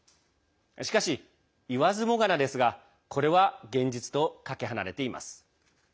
しかし、言わずもがなですがこれは現実とかけ離れています。